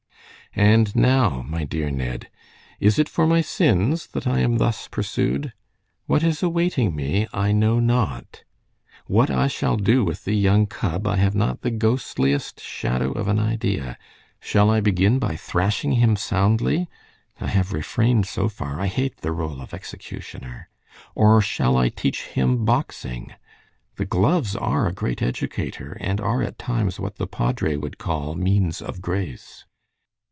"And now, my dear Ned, is it for my sins that I am thus pursued? What is awaiting me I know not. What I shall do with the young cub I have not the ghostliest shadow of an idea. Shall I begin by thrashing him soundly? I have refrained so far; I hate the role of executioner. Or shall I teach him boxing? The gloves are a great educator, and are at times what the padre would call 'means of grace.'